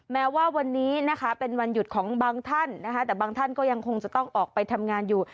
แม้ว่าวันนี้นะคะเป็นวันหยุดของบางท่านนะคะแต่บางท่านก็ยังคงจะต้องออกไปทำงานอยู่